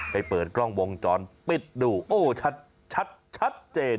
ไปเปิดกล้องวงจรปิดดูโอ๊ยชัดเจ็ด